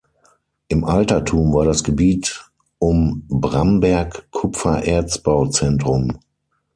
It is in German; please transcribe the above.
Im Altertum war das Gebiet um Bramberg Kupfererzbau-Zentrum.